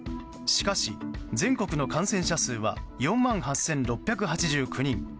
しかし全国の感染者数は４万８６８９人。